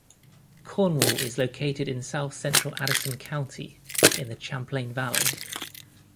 Cornwall is located in south-central Addison County, in the Champlain Valley.